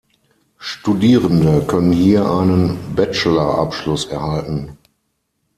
Studierende können hier einen Bachelor-Abschluss erhalten.